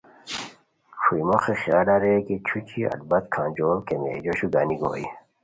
چھوئی موخی خیال اریر کی چھوچی البت کھانجوڑ کیمیا جوشو گانی گوئے